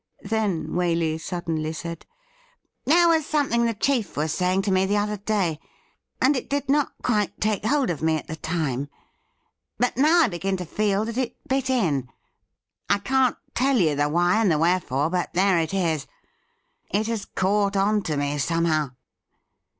Then Waley suddenly said :' There was something the chief was saying to me the other day — and it did not quite take hold of me at the time — ^but now I begin to feel that it bit in : I can't tell you the why and the wherefore, but there it is. It has caught on to me, somehow.'